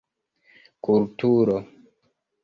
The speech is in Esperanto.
kulturo